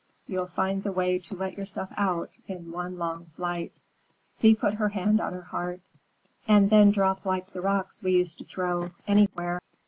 You'll find the way to let yourself out in one long flight." Thea put her hand on her heart. "And then drop like the rocks we used to throw—anywhere."